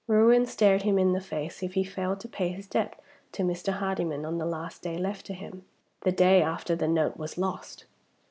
Ruin stared him in the face if he failed to pay his debt to Mr. Hardyman on the last day left to him the day after the note was lost.